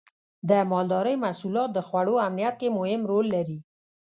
د مالدارۍ محصولات د خوړو امنیت کې مهم رول لري.